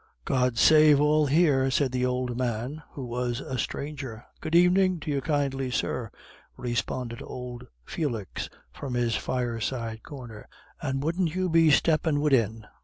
"God save all here," said the old man, who was a stranger. "Good evenin' to you kindly, sir," responded old Felix from his fireside corner; "and wudn't you be steppin' widin?"